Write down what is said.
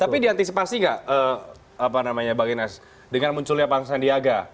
tapi diantisipasi nggak dengan munculnya pak sandiaga